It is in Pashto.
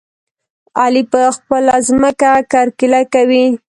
علي په خپله ځمکه کرکيله کوي.